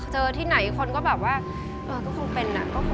เจอที่ไหนนายเลยก็คิดว่าเออก็คงเป็นนะ